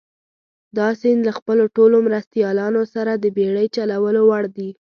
دا سیند له خپلو ټولو مرستیالانو سره د بېړۍ چلولو وړ دي.